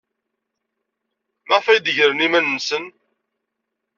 Maɣef ay d-tegrem iman-nsen?